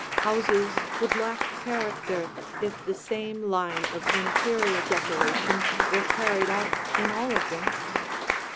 Houses would lack character if the same line of interior decoration were carried out in all of them.